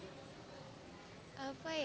supaya tetap berprestasi